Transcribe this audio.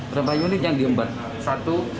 berapa unit yang diembat